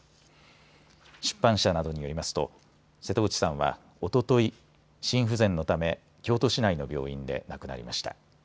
出版社などによりますと瀬戸内さんは、おととい、心不全のため京都市内の病院で亡くなりました。